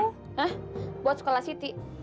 hah buat sekolah siti